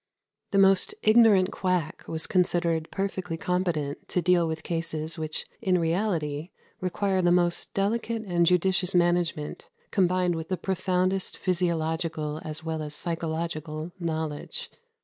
The most ignorant quack was considered perfectly competent to deal with cases which, in reality, require the most delicate and judicious management, combined with the profoundest physiological, as well as psychological, knowledge.